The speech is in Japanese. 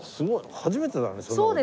初めてだねそんなの。